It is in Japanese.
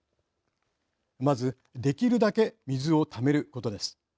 まずできるだけ水をためることです。